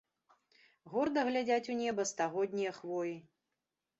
Горда глядзяць у неба стагоднія хвоі.